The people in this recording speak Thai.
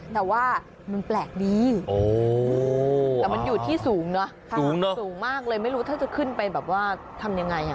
แต่ว่ามันแปลกดีแต่มันอยู่ที่สูงเนอะสูงมากเลยไม่รู้ถ้าจะขึ้นไปแบบว่าทำยังไง